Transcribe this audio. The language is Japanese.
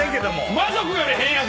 魔族より変やぞ！